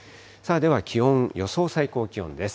では気温、予想最高気温です。